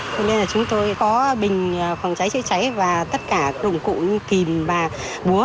cho nên là chúng tôi có bình phòng cháy chữa cháy và tất cả đồng cụ như kìm và búa